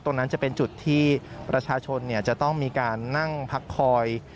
ตรงนั้นจะเป็นจุดที่ประชาชนจะต้องมีการนั่งพักคอย